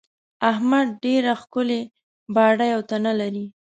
احمد ډېره ښکلې باډۍ او تنه لري.